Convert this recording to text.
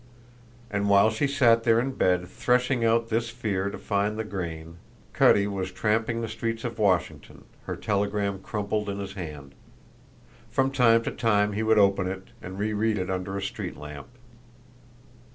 And while she sat there in bed threshing out this fear to find the grain, Cutty was tramping the streets of Washington, her telegram crumpled in his hand. From time to time he would open it and reread it under a street lamp.